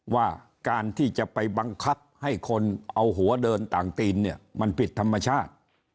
ว่าการที่จะไปบังคับให้คนเอาหัวเดินต่างตีนเนี่ยมันผิดธรรมชาติ